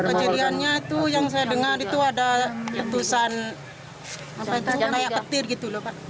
kejadiannya itu yang saya dengar itu ada ketusan kayak petir gitu loh pak